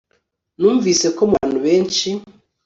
numvise ko mubantu benshi